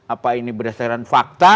apa ini berdasarkan fakta